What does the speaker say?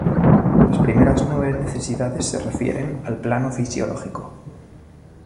Las primeras nueve necesidades se refieren al plano fisiológico.